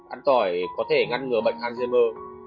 ăn tỏi có thể ngăn ngừa bệnh alzheimer